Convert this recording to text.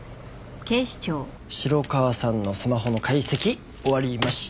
城川さんのスマホの解析終わりました！